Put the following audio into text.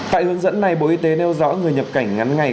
tại hướng dẫn này bộ y tế nêu rõ người nhập cảnh ngắn ngày